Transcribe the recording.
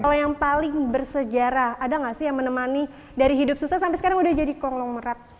kalau yang paling bersejarah ada nggak sih yang menemani dari hidup susah sampai sekarang udah jadi konglomerat